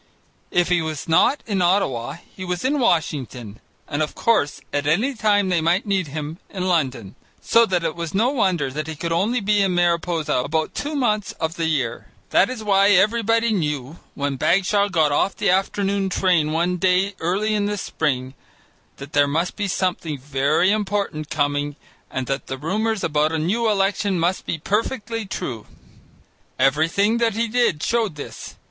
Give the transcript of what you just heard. If he was not in Ottawa, he was in Washington, and of course at any time they might need him in London, so that it was no wonder that he could only be in Mariposa about two months of the year. That is why everybody knew, when Bagshaw got off the afternoon train one day early in the spring, that there must be something very important coming and that the rumours about a new election must be perfectly true. Everything that he did showed this.